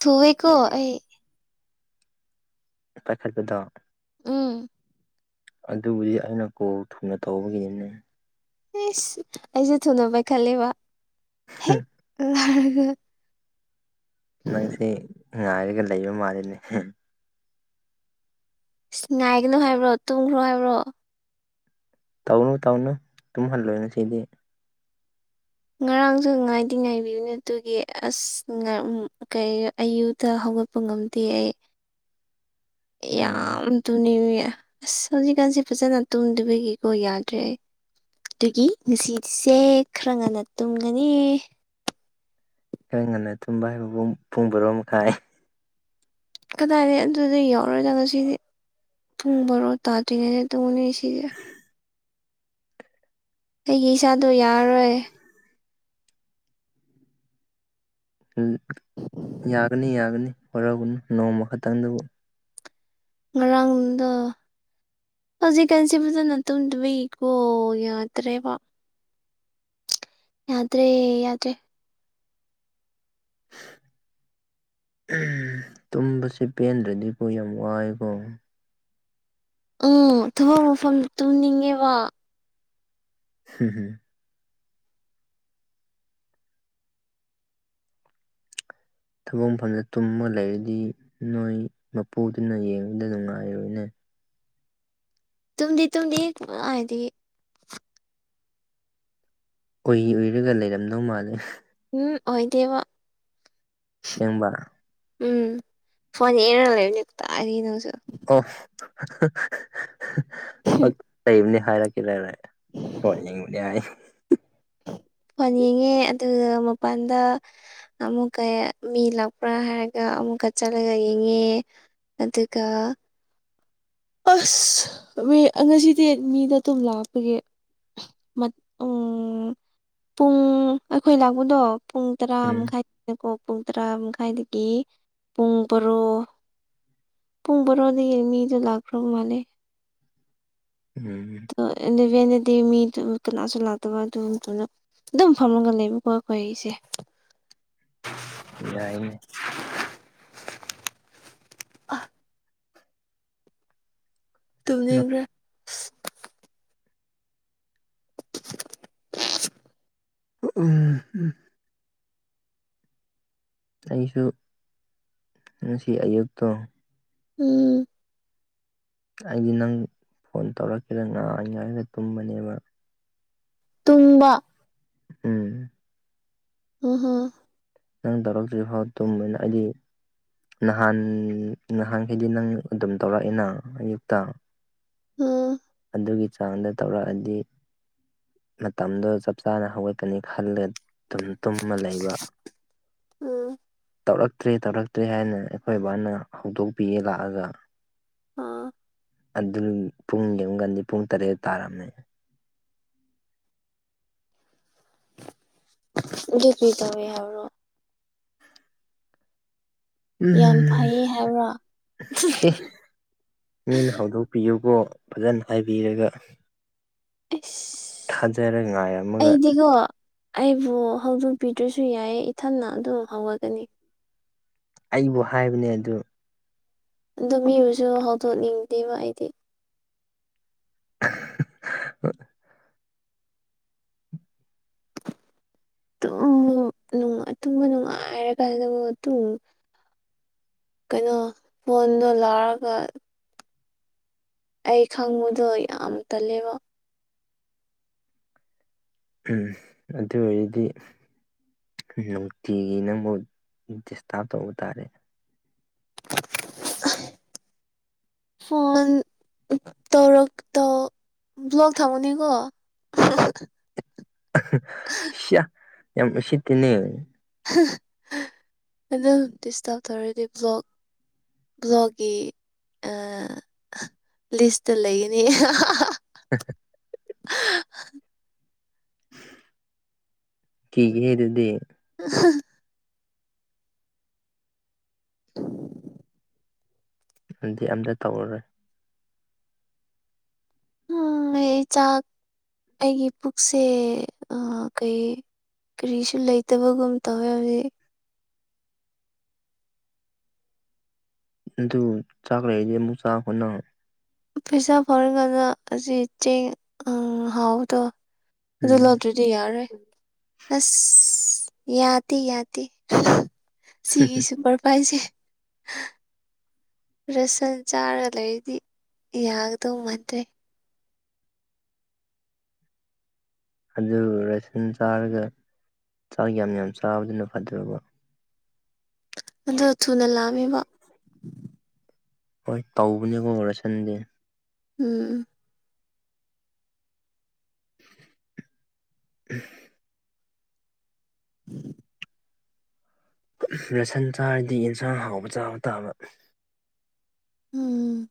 ꯊꯨꯋꯦꯀꯣ ꯑꯩ ꯄꯥꯏꯈꯠꯄꯗꯣ ꯎꯝ ꯑꯗꯨꯕꯨꯗꯤ ꯑꯩꯅ ꯀꯣꯜ ꯊꯨꯅ ꯇꯧꯕꯒꯤꯅꯤꯅꯦ ꯏꯁ ꯑꯩꯁꯦ ꯊꯨꯅ ꯄꯥꯢꯈꯠꯂꯦꯕ ꯍꯦꯛ ꯂꯔꯒ ꯅꯪꯁꯦ ꯉꯥꯏꯔꯒ ꯂꯩꯕ ꯃꯥꯜꯂꯤꯅꯦ ꯍꯦ ꯉꯥꯏꯒꯅꯣ ꯍꯥꯏꯕ꯭ꯔꯣ ꯇꯨꯝꯈ꯭ꯔꯣ ꯍꯥꯏꯕ꯭ꯔꯣ ꯇꯧꯅꯨ ꯇꯧꯅꯨ ꯇꯨꯝꯍꯜꯂꯣ ꯅꯁꯤꯗꯤ ꯉꯔꯥꯡꯁꯨ ꯉꯥꯏꯗꯤ ꯉꯥꯏꯕꯤꯕꯅꯦ ꯑꯗꯨꯒꯤ ꯑꯁ ꯉ ꯎꯝ ꯀꯩ ꯑꯌꯨꯗ ꯍꯧꯒꯠꯄ ꯉꯝꯗꯦ ꯑꯩ ꯎꯝ ꯌꯥꯝ ꯇꯨꯅꯤꯡꯉꯌꯦ ꯑꯁ ꯍꯧꯖꯤꯛꯀꯥꯟꯁꯦ ꯐꯖꯅ ꯇꯨꯝꯗꯕꯒꯤ ꯑꯣ ꯌꯥꯗ꯭ꯔꯦ ꯑꯗꯨꯒꯤ ꯉꯁꯤꯗꯤꯁꯦ ꯈꯔ ꯉꯟꯅ ꯇꯨꯝꯒꯅꯤ ꯈꯔ꯭ ꯉꯟꯅ ꯇꯨꯝꯕ ꯍꯥꯏꯕꯕꯨꯨꯡ ꯄꯨꯡ ꯔꯣ ꯃꯈꯥꯏ ꯀꯗꯥꯏꯗꯩ ꯑꯗꯨꯗꯤ ꯌꯧꯔꯣꯢꯗ ꯉꯁꯤꯗꯤ ꯄꯨꯡ ꯕꯥꯔꯣ ꯇꯥꯗ꯭ꯔꯤꯉꯩꯗ ꯇꯧꯅꯤ ꯁꯤꯗꯤ ꯑꯩꯒꯤ ꯏꯆꯥꯗꯣ ꯌꯥꯔꯔꯣꯏ ꯌꯥꯒꯅꯤ ꯌꯥꯒꯅꯤ ꯍꯔꯒꯅ ꯅꯣꯡꯃ ꯈꯛꯇꯪꯗꯕꯨ ꯉꯔꯥꯡꯗ ꯍꯧꯖꯤꯛꯀꯥꯟꯁꯤꯕꯨ ꯐꯖꯅ ꯇꯨꯝꯗꯕꯩꯀꯣ ꯌꯥꯗ꯭ꯔꯦꯕ ꯌꯥꯗ꯭ꯔꯦ ꯌꯥꯗ꯭ꯔꯦ ꯇꯨꯝꯕꯁꯦ ꯄꯦꯟꯗ꯭ꯔꯗꯤꯀꯣ ꯌꯥꯝ ꯋꯥꯏꯀꯣ ꯎꯝ ꯊꯕꯛ ꯃꯐꯝ ꯇꯨꯝꯅꯤꯡꯉꯦꯕ ꯍꯝ ꯍꯝ ꯊꯕꯛ ꯃꯐꯝꯗ ꯇꯨꯝꯃ ꯂꯩꯔꯗꯤ ꯅꯣꯏ ꯃꯄꯨꯗꯨꯅ ꯌꯦꯡꯕꯗ ꯅꯨꯡꯉꯥꯏꯔꯣꯏꯅꯦ ꯇꯨꯡꯗꯤ ꯇꯨꯡꯗꯤ ꯍꯥꯏꯗꯤ ꯎꯏ ꯎꯏꯔꯒ ꯂꯩꯔꯝꯗꯧ ꯃꯥꯜꯂꯦ ꯎꯝ ꯑꯣꯏꯗꯦꯕ ꯁꯦꯡꯕ ꯎꯝ ꯐꯣꯟ ꯍꯦ ꯂꯩꯦꯅꯤ ꯇꯥꯔꯤꯅꯧꯁꯨ ꯑꯣ ꯂꯩꯕꯅꯤ ꯍꯥꯏꯔꯛꯀꯦ ꯂꯔ ꯐ ꯀ ꯍꯥꯏꯏ ꯐꯣꯟ ꯌꯦꯡꯉꯦ ꯑꯗꯨꯒ ꯃꯄꯥꯟꯗ ꯑꯃꯨꯛꯀꯌꯦ ꯃꯤ ꯂꯥꯛꯄ꯭ꯔꯥ ꯍꯥꯏꯔꯒ ꯑꯃꯨꯛꯀ ꯆꯠꯂꯒ ꯌꯦꯡꯉꯦ ꯑꯗꯨꯒ ꯑꯁ ꯍ ꯉꯁꯤꯗꯤ ꯃꯤꯗ ꯑꯗꯨꯝ ꯂꯥꯛꯄꯒꯦ ꯃꯠ ꯎꯝ ꯄꯨꯡ ꯑꯩꯈꯣꯏ ꯂꯥꯛꯄꯗꯣ ꯄꯨꯡ ꯇꯔꯥ ꯎꯝ ꯃꯈꯥꯏꯅꯀꯣ ꯄꯨꯡ ꯇꯔꯥ ꯃꯈꯥꯏꯗꯒꯤ ꯄꯨꯡ ꯕꯥꯔꯣ ꯄꯨꯡ ꯕꯥꯔꯣꯗꯒꯤ ꯃꯤꯗꯣ ꯂꯥꯛꯈ꯭ꯔꯕ ꯃꯥꯜꯂꯦ ꯎꯝ ꯑꯗꯣ ꯑꯦꯂꯚꯦꯟꯗꯗꯤ ꯃꯤ ꯗꯨ ꯀꯅꯥꯁꯨ ꯂꯥꯛꯇꯕ ꯑꯗꯨꯝꯗꯨꯅ ꯗꯨꯝ ꯐꯝꯃꯒ ꯂꯩꯕꯀꯣ ꯑꯩ ꯀꯣ ꯑꯩꯁꯦ꯫ ꯌꯥꯏꯅꯦ꯫ ꯑ꯫ ꯇꯨꯝꯅꯤꯕ꯭ꯔꯥ ꯑꯣ ꯎꯝ ꯎꯝ ꯑꯩꯁꯨ ꯉꯁꯤ ꯑꯌꯨꯛꯇꯣ꯫ ꯎꯝ ꯑꯩꯗꯤ ꯅꯪ ꯐꯣꯟ ꯇꯧꯔꯛꯀꯦꯔ ꯉꯥꯡꯉꯥꯏꯒ ꯇꯨꯝꯕꯅꯦꯕ ꯇꯨꯝꯕ꯫ ꯎꯝ꯫ ꯎꯝ ꯍ ꯅꯪ ꯇꯧꯔꯛꯇ꯭ꯔꯤ ꯐꯥꯎ ꯇꯨꯝꯕꯅ ꯑꯩꯗꯤ꯫ ꯅꯍꯥꯟ ꯅꯍꯥꯟꯈꯩꯗꯤ ꯅꯪ ꯑꯗꯨꯝ ꯇꯧꯔꯛꯏ ꯅ ꯑꯌꯨꯛꯇ꯫ ꯎꯝ ꯑꯗꯨꯒꯤ ꯆꯥꯡꯗ ꯇꯧꯔꯛꯑꯗꯤ ꯃꯇꯝꯗꯣ ꯆꯞ ꯆꯥꯅ ꯍꯧꯒꯠꯀꯅꯤ ꯈꯜꯂꯦ꯫ ꯇꯨꯝ ꯇꯨꯝꯃ ꯂꯩꯕ꯫ ꯎꯝ ꯇꯧꯔꯛꯇ꯭ꯔꯦ ꯇꯧꯔꯛꯇ꯭ꯔꯦ ꯍꯥꯏꯅ ꯑꯩꯈꯣꯏ ꯕꯥꯅ ꯍꯧꯗꯣꯛꯄꯤꯌꯦ ꯂꯥꯛꯑꯒ ꯑꯥ ꯑꯗꯨ ꯄꯨꯡꯒꯤꯨꯛꯒꯟꯗꯤ ꯄꯨꯡ ꯇꯔꯦꯠ ꯇꯥꯔꯝꯃꯦ [unintelligible] ꯌꯥꯝ ꯎꯝ ꯐꯩꯌꯦ ꯍꯥꯏꯕ꯭ꯔꯥ ꯑꯦ ꯃꯤꯅ ꯍꯧꯗꯣꯛꯄꯤꯌꯨꯀꯣ ꯐꯖꯅ ꯍꯥꯏꯕꯤꯔꯒ꯫ ꯍ ꯊꯥꯖꯔꯦ ꯉꯥꯏꯔꯝꯃꯒ ꯑꯩꯕꯨ ꯍꯧꯗꯣꯛꯄꯤꯗ꯭ꯔꯁꯨ ꯌꯥꯏ ꯏꯊꯟꯅ ꯑꯗꯨꯝ ꯍꯧꯔꯒꯅꯤ ꯑꯩꯕꯨ ꯍꯥꯏꯕꯅꯦ ꯑꯗꯨ ꯑꯣ ꯃꯤꯕꯨꯁꯨ ꯍꯧꯗꯣꯛꯅꯤꯡꯗꯦꯕ ꯑꯩꯗꯤ ꯍ ꯨꯇꯨꯝ ꯅꯨꯉꯥꯢ ꯇꯨꯝꯕ ꯅꯨꯡꯉꯥꯏꯔꯀꯥꯟꯗꯕꯨꯨꯝ ꯇꯨꯝ ꯀꯩꯅꯣ ꯐꯣꯟꯗꯣ ꯂꯥꯛꯔꯒ꯫ ꯑꯩ ꯈꯪꯕꯗꯣ ꯌꯥꯝ ꯇꯜꯂꯦꯕ ꯎꯝ ꯑꯗꯨ ꯑꯣꯏꯔꯗꯤ꯫ ꯅꯨꯡꯇꯤꯒꯤ ꯅꯪꯕꯨꯛ ꯗꯤꯁꯇꯥꯔꯕ ꯇꯧꯕ ꯇꯥꯔꯦ [inaudible] ꯐꯣꯟ ꯑꯝ ꯇꯧꯔꯛꯇꯣ ꯕ꯭ꯂꯒ ꯊꯥꯃꯅꯤꯀꯣ ꯑꯍ ꯁꯤꯌꯦ ꯌꯥꯝ ꯎꯁꯤꯠꯇꯦꯅꯦ ꯗꯤꯁꯇꯕ ꯇꯧꯔꯦꯗꯤ ꯕ꯭ꯂꯣꯛ꯫ ꯕ꯭ꯂꯣꯛꯀꯤ ꯂꯤꯁꯇ ꯂꯩꯒꯅꯤ ꯍꯦ ꯍꯦ ꯀꯤꯒꯤꯍꯦ ꯑꯗꯨꯗꯤ ꯑ [unintelligible] [inaudible] ꯗꯤ ꯑꯝꯇ ꯇꯧꯔꯔꯣꯏ ꯎ ꯑꯩ ꯆꯥꯛ ꯑꯩꯒꯤ ꯄꯨꯛꯁꯦ ꯀꯩ ꯀꯔꯤꯁꯨ ꯂꯩꯇꯕꯒꯨꯝ ꯇꯧꯋꯦ ꯍꯧꯖꯤꯛ ꯑꯗꯨ ꯆꯥꯛꯂꯛꯏꯁꯦ ꯑꯃꯨꯛ ꯆꯥꯛꯈꯅ ꯄꯩꯁꯥ ꯐꯥꯎꯔꯒꯥꯟꯗ ꯑꯁꯤ ꯆꯦꯡ ꯍꯥꯎꯗꯣ ꯑꯗꯨ ꯎꯝ ꯂꯧꯗ꯭ꯣꯏ ꯑꯗꯨ ꯌꯥꯔꯣꯏ ꯑꯁ ꯌꯥꯇꯦ ꯌꯥꯇꯦ꯫ ꯁꯤꯒꯤ ꯁꯨꯄꯔ ꯄꯥꯏꯁꯦ ꯔꯁꯟ ꯆꯥꯔ ꯂꯩꯔꯤꯗꯤ ꯌꯥꯒꯗꯧ ꯃꯥꯟꯗ꯭ꯔꯦ ꯑꯗꯨ ꯔꯦꯁꯟ ꯆꯥꯔꯒ ꯆꯥꯛ ꯌꯥꯝ ꯌꯥꯝ ꯆꯥꯕꯗꯨꯅ ꯐꯗ꯭ꯔꯕ꯫ ꯑꯗꯣ ꯊꯨꯅ ꯂꯥꯑꯝꯃꯤꯕ꯫ ꯍꯣꯏ ꯇꯧꯕꯅꯦꯀꯣ ꯔꯁꯟꯗꯤ꯫ ꯎꯝ꯫ [unintelligible] [inaudible] ꯔꯁꯟ ꯆꯥꯔꯗꯤ ꯌꯦꯟꯁꯥꯡ ꯍꯥꯎꯕ ꯆꯥꯕ ꯇꯥꯕ ꯎꯝ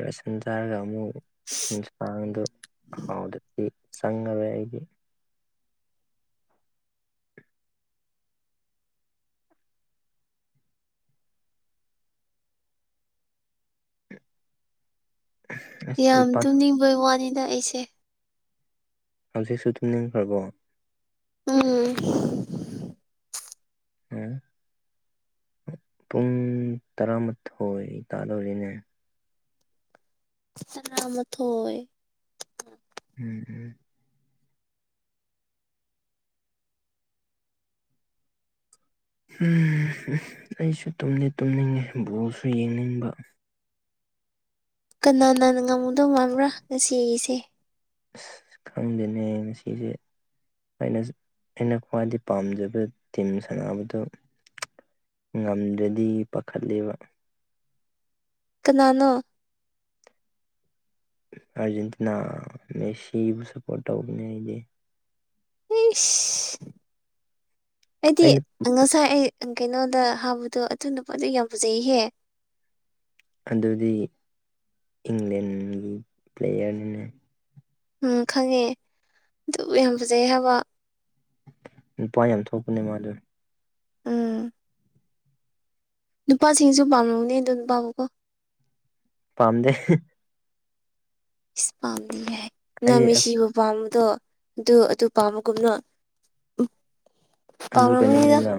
ꯔꯦꯁꯟ ꯆꯥꯔꯒ ꯑꯃꯨꯛ ꯌꯦꯟꯁꯥꯡꯗꯣ ꯍꯥꯎꯗꯗꯤ꯫ ꯆꯉꯕꯦ ꯍꯥꯏꯗꯤ ꯑꯁ ꯌꯥꯝ ꯏꯄꯥꯛ ꯇꯨꯝꯅꯤꯡꯕꯩ ꯋꯥꯅꯤꯅ ꯑꯩꯁꯦ ꯍꯧꯖꯤꯛꯁꯨ ꯇꯨꯝꯅꯤꯡꯈ꯭ꯔꯕꯣ ꯎꯝ ꯑꯣ ꯄꯨꯡ ꯇꯔꯥꯃꯥꯊꯣꯏ ꯇꯥꯗꯧꯔꯤꯅꯦ ꯁꯅꯥꯃꯊꯣꯏ ꯎꯝ ꯎꯝ ꯑꯩꯁꯨ ꯇꯨꯝꯂ ꯇꯨꯝꯅꯤꯡꯉꯦ ꯕꯣꯜꯁꯨ ꯌꯦꯡꯅꯤꯡꯕ ꯀꯅꯥ ꯅꯥꯟꯅ ꯉꯝꯃꯨꯗꯧ ꯃꯥꯕ꯭ꯔꯥ ꯉꯁꯤꯒꯤꯁꯦ ꯑꯁ ꯈꯪꯗꯅꯦ ꯉ ꯁꯤꯁꯦ ꯑꯩꯅ ꯑꯩꯅ ꯈ꯭ꯋꯥꯏꯗꯩ ꯄꯥꯝꯖꯕ ꯇꯤꯝ ꯁꯥꯟꯅꯕꯗꯨ ꯉꯝꯗ꯭ꯔꯗꯤ ꯄꯥꯈꯠꯂꯦꯕ ꯀꯅꯥꯅꯣ ꯑꯥꯔꯖꯦꯟꯇꯤꯅꯥ ꯃꯦꯁꯤꯕꯨ ꯁꯄꯣꯔꯠ ꯇꯧꯕꯅꯦ ꯑꯩꯗꯤ ꯑꯦ ꯑꯩꯗꯤ ꯑꯩꯅ ꯉꯁꯥꯏ ꯑꯩ ꯀꯩꯅꯣꯗ ꯍꯥꯕꯗꯣ ꯑꯊꯨ ꯅꯨ ꯄꯗ ꯌꯥꯝ ꯐꯖꯩꯍꯦ ꯑꯗꯨꯗꯤ ꯏꯪꯂꯦꯟꯒꯤ ꯄ꯭ꯂꯦꯌꯔꯅꯤꯅꯦ ꯎꯝ ꯈꯪꯉꯦ ꯑꯗꯨꯕꯨ ꯌꯥꯝ ꯐꯖꯩ ꯍꯥꯏꯕ ꯅꯨꯄꯥ ꯌꯥꯝ ꯊꯣꯛꯄꯅꯦ ꯃꯥꯗ ꯎꯝ ꯅꯨꯄꯥꯁꯤꯡꯁꯨ ꯄꯥꯝꯅꯧꯅꯦ ꯑꯗꯣ ꯅꯨꯄꯥꯕꯨꯀꯣ ꯄꯥꯝꯗꯦ ꯄꯝ ꯍꯥꯏ ꯅꯪ ꯍꯥꯏꯗꯤ ꯃꯤ ꯁꯤꯕꯨ ꯄꯥꯝꯕꯗꯣ ꯑꯗꯨ ꯑꯗꯨ ꯄꯥꯝꯃꯒꯨꯝꯅꯣ ꯎ ꯑꯗꯨ ꯀꯩꯅꯣꯅꯤꯅ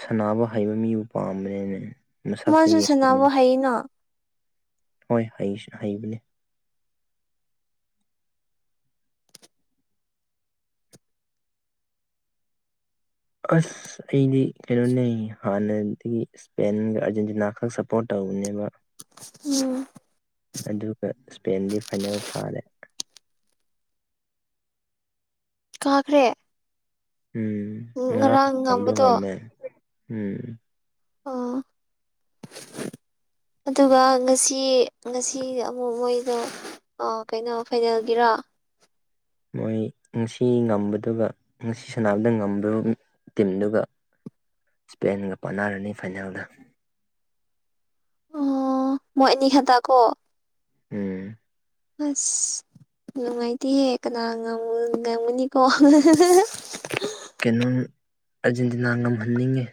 ꯁꯅꯕ ꯍꯩꯕ ꯃꯤꯕꯨ ꯄꯥꯝꯕꯅꯤꯅꯦ ꯃꯁꯛꯇ ꯃꯣꯏꯁꯨ ꯁꯅꯕ ꯌꯦꯡꯕꯅꯦ ꯍꯥꯏ ꯅ ꯍꯣꯏ ꯍ ꯍꯩꯕꯅꯦ ꯑꯁ ꯑꯩꯗꯤ ꯀꯩꯅꯣꯅꯦ ꯍꯥꯟꯅꯗꯒꯤ ꯏꯁꯄꯦꯟꯒ ꯑꯥꯔꯖꯦꯟꯇꯤꯅꯥ ꯈꯛ ꯁꯞꯄꯣꯔꯠ ꯇꯧꯕꯅꯦꯕ ꯎꯝ꯫ ꯑꯗꯨꯒ ꯏꯁꯄꯦꯟꯗꯤ ꯐꯥꯏꯅꯦꯜ ꯐꯥꯔꯦ ꯀꯥꯈ꯭ꯔꯦ ꯎꯝ ꯉꯔꯥꯡ ꯉꯔꯥꯡꯥꯡꯗ ꯉꯝꯕꯗꯣ ꯉꯝꯃꯦ ꯎꯝ ꯑꯥ [unintelligible] ꯑꯗꯨꯒ ꯉꯁꯤ ꯉꯁꯤ ꯑꯃꯨꯛ ꯃꯣꯏꯗ ꯑꯣ ꯀꯩꯅꯣ ꯐꯥꯏꯅꯦꯜꯒꯤꯔꯣ ꯃꯣꯏ ꯉꯁꯤ ꯉꯝꯕꯗꯨꯒ ꯉꯁꯤ ꯁꯥꯟꯅꯕꯗ ꯉꯝꯕ ꯇꯤꯝꯗꯨꯒ ꯏꯁꯄꯦꯟꯒ ꯄꯥꯟꯅꯔꯅꯤ ꯐꯥꯏꯅꯦꯜꯗ ꯑꯣ ꯃꯣꯏ ꯑꯅꯤ ꯈꯗ ꯀꯣ ꯎꯝ ꯑꯁ ꯅꯨꯡꯉꯥꯏꯇꯦꯍꯦ ꯀꯅꯥ ꯉꯝꯒꯨꯅꯤꯀꯣ ꯀꯩꯅꯣ ꯑꯔꯖꯦꯟꯇꯤꯅꯥ ꯉꯝꯍꯟꯅꯤꯡꯉꯤ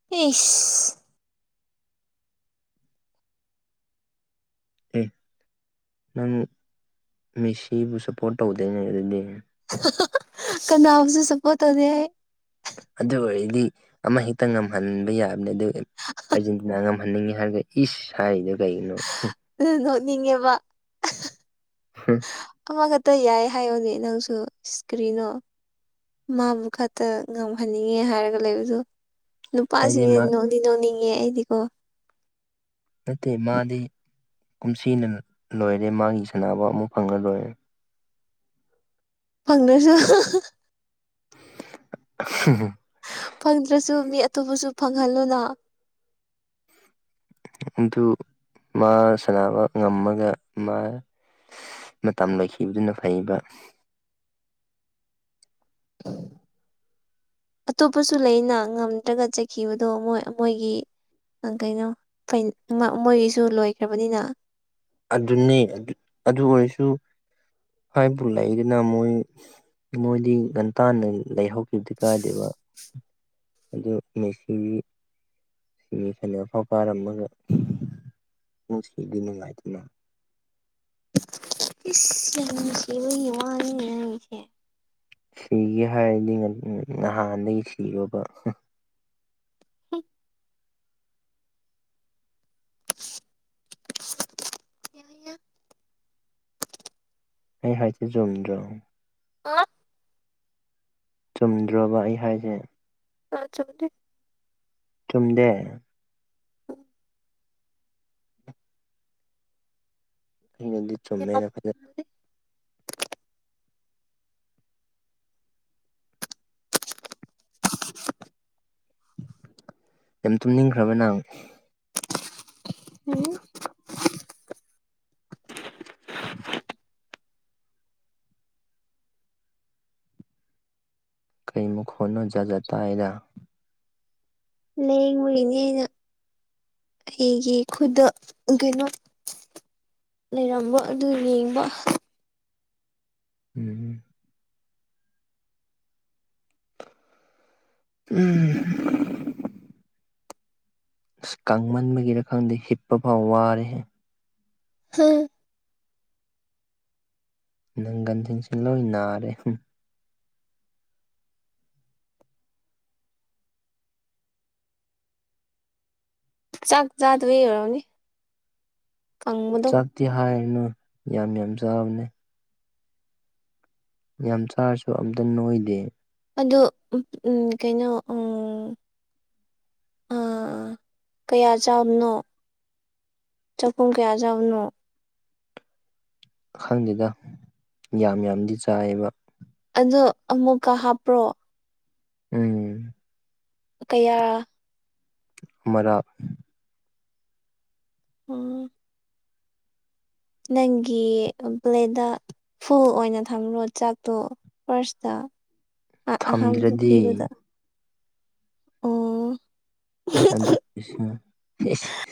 ꯏꯁ ꯑꯦ ꯅꯪ ꯃꯤꯁꯤꯕꯨ ꯁꯞꯄꯣꯔꯠ ꯇꯧꯗꯣꯏꯅꯦ ꯑꯗꯨꯗꯤ [unintelligible] ꯀꯅꯥꯕꯨꯁꯨ ꯁꯞꯄꯣꯔꯠ ꯇꯧꯗꯦ ꯍꯥꯏ ꯑꯗꯨ ꯑꯣꯏꯔꯗꯤ ꯑꯃ ꯍꯦꯛꯇ ꯉꯝꯍꯟꯕ ꯌꯥꯕꯅꯦ ꯑꯗꯨ ꯑꯔꯖꯦꯟꯇꯤꯅꯥ ꯍꯅꯤꯡꯉꯤ ꯍꯥꯏꯔꯒ ꯏꯁ ꯍꯥꯏꯔꯤꯗꯣ ꯀꯩꯒꯤꯅꯣ ꯑꯗꯨ ꯅꯣꯛꯅꯤꯡꯉꯦꯕꯥ ꯍꯝ ꯍꯣꯢ ꯑꯗꯨ ꯌꯥꯏ ꯍꯥꯏꯌꯣꯅꯦ ꯅꯪꯁꯨ ꯏꯁ ꯀ꯭ꯔꯤꯅꯣ ꯃꯥꯕꯨ ꯈꯛꯇ ꯉꯝꯍꯟꯅꯤꯡꯉꯦ ꯍꯥꯏꯔꯒ ꯂꯩꯕꯗꯣ ꯍꯥꯏꯗꯤ ꯅꯨꯄꯥꯁꯤꯡꯁꯦ ꯃꯥ ꯅꯣꯛꯗꯤ ꯅꯣꯡꯅꯤꯡꯉꯦ ꯑꯩꯗꯤꯀꯣ ꯅꯠꯇꯦ ꯃꯥꯗꯤ ꯀꯨꯝꯁꯤꯅ ꯂꯣꯏꯔꯦ ꯃꯥꯒꯤ ꯁꯥꯟꯅꯕ ꯑꯃ ꯐꯪꯉꯔꯣꯢ ꯐꯪꯗ꯭ꯔꯁꯨ [unintelligible] [unintelligible] ꯐꯪꯗ꯭ꯔꯁꯨ ꯃꯤ ꯑꯇꯣꯞꯄꯁꯨ ꯐꯪꯍꯜꯂꯨꯅ ꯑꯗꯨ ꯃꯥ ꯁꯥꯟꯅꯕ ꯉꯝꯃꯒ ꯃꯥ ꯃꯇꯝ ꯂꯣꯢꯈꯤꯕꯗꯨꯅ ꯐꯩꯑꯦꯕ [inaudible] ꯑꯇꯣꯞꯄꯁꯨ ꯂꯩꯅ ꯉꯝꯗ꯭ꯔꯒ ꯆꯠꯈꯤꯕꯗꯣ ꯃꯣꯏ ꯃꯣꯏꯒꯤ ꯀꯩꯅꯣ ꯃꯣꯏꯒꯤꯁꯨ ꯂꯣꯏꯈ꯭ꯔꯕꯅꯤꯅ ꯑꯗꯨꯅꯤ ꯑꯗꯨ ꯑꯣꯏꯔꯁꯨ ꯍꯥꯏꯕꯨ ꯂꯩꯗꯨꯅ ꯃꯣꯏ ꯃꯣꯏꯗꯤ ꯉꯟꯇꯥꯥꯟꯅ ꯂꯩꯍꯧ ꯗꯨꯗꯤ ꯀꯥꯢꯗꯦꯕ ꯑꯗꯨ ꯃꯦꯁꯤꯒꯤ ꯁꯤꯃꯤ ꯐꯥꯢꯅꯦꯜ ꯐꯥꯎ ꯀꯥꯔꯝꯃꯒ ꯄꯣꯈꯤꯕꯗꯤ ꯅꯨꯡꯉꯥꯏꯇꯦ [inaudible] [inaudible] ꯏꯁ ꯌꯥꯝ ꯅꯨꯡꯁꯤꯕꯒꯤ ꯋꯥꯅꯤꯅꯦ ꯍꯥꯢꯁꯦ ꯁꯤꯒꯦ ꯍꯥꯏꯔꯗꯤ ꯅꯍꯥꯟꯗꯒꯤ ꯁꯤꯔꯕ [inaudible] [inaudible] ꯑꯩ ꯍꯥꯏꯁꯦ ꯆꯨꯝꯗꯣ ꯑꯣ ꯆꯨꯝꯗ꯭ꯔꯣꯕ ꯑꯩ ꯍꯥꯏꯁꯦ [unintelligible] ꯆꯨꯝꯗꯦ ꯑꯩꯅꯗꯤ ꯆꯨꯝꯃꯦꯅ ꯈꯜ ꯌꯥꯝ ꯇꯨꯝꯅꯤꯡꯈ꯭ꯔꯕ ꯅꯪ ꯎꯝ ꯀꯩ ꯃꯈꯣꯟꯅꯣ ꯖꯥꯠ ꯖꯥꯠ ꯇꯥꯏꯗ ꯂꯦꯡꯕꯒꯤꯅꯤ ꯑꯩꯅ ꯑꯩꯒꯤ ꯈꯨꯗꯣ ꯗꯨꯅ ꯂꯩꯔꯝꯕ ꯑꯗꯨ ꯌꯦꯡꯕ ꯎꯝ ꯎꯝ ꯑꯁ ꯀꯡꯃꯟꯕꯒꯤꯔ ꯈꯪꯗꯦ ꯍꯤꯞꯄ ꯐꯥꯎ ꯋꯥꯔꯦꯍꯦ ꯍꯥ ꯅꯪꯒꯜꯁꯤꯡꯁꯤ ꯂꯣꯏ ꯅꯥꯔꯦ ꯆꯥꯛ ꯆꯥꯗꯣꯢ ꯑꯣꯢꯔꯅꯤ ꯀꯪꯕꯗꯣ ꯇꯤ ꯍꯥꯏꯔꯤꯅꯨ ꯌꯥꯝ ꯌꯥꯝ ꯆꯥꯕꯅꯤ ꯌꯥꯝ ꯆꯥꯔꯁꯨ ꯑꯝꯇ ꯅꯣꯏꯗꯦ ꯑꯗꯨ ꯎꯝ ꯀꯩꯅꯣ ꯎꯝ ꯑꯥ ꯀꯌꯥ ꯆꯥꯕꯅꯣ ꯆꯥꯛꯈꯨꯝ ꯀꯌꯥ ꯆꯥꯕꯅꯣ ꯈꯪꯗꯦꯗ ꯌꯥꯝ ꯌꯥꯝꯗꯤ ꯆꯥꯏꯌꯦꯕ꯫ ꯑꯗꯣ ꯑꯃꯨꯛꯀ ꯍꯥꯞꯄ꯭ꯔꯣ ꯎꯝ ꯀꯌꯥ ꯃꯔꯥꯞ ꯑꯝ ꯅꯪꯒꯤ ꯄ꯭ꯂꯦꯗ ꯐꯨꯜ ꯑꯣꯏꯅ ꯊꯝꯂꯣ ꯆꯥꯛꯇꯣ ꯐꯥꯔꯁꯇ ꯑꯍꯥꯟꯕ ꯊꯝꯗ꯭ꯔꯗꯤ ꯄꯤꯕꯗ ꯑꯣ [unintelligible]